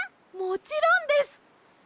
もちろんです！